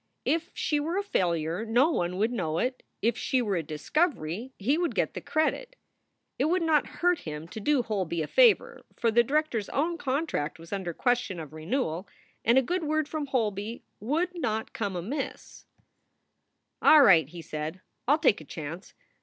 If she were a failure no one would know it. If she were a discovery, he would get the credit. It would not hurt him to do Holby a favor, for the director s own contract was under question of renewal and a good word from Holby would not come amiss. SOULS FOR SALE 127 "All right," he said, "I ll take a chance.